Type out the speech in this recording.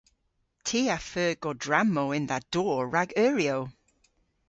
Ty a'feu godrammow yn dha dorr rag euryow.